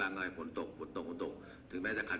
เนี้ยอีกคนหนึ่งก็